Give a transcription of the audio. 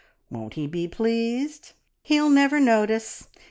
Won't he be pleased?" "He'll never notice.